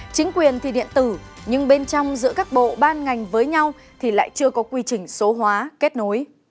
chính quyền thì điện tử nhưng bên trong giữa các bộ ban ngành với nhau thì lại chưa có quy trình số hóa kết nối